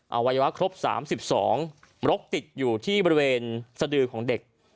วัยวะครบ๓๒รกติดอยู่ที่บริเวณสดือของเด็ก